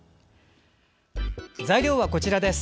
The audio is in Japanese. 材料はこちらです。